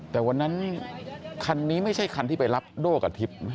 แต่วันนั้นคันนี้ไม่ใช่คันที่ไปรับโด่กับทิพย์